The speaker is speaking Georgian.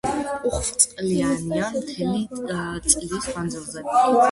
უხვწყლიანია მთელი წლის მანძილზე.